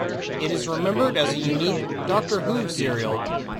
It is remembered as a unique "Doctor Who" serial.